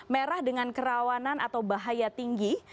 merah dengan kerawanan atau bahaya tinggi